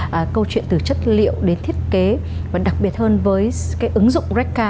cái câu chuyện từ chất liệu đến thiết kế và đặc biệt hơn với cái ứng dụng rekka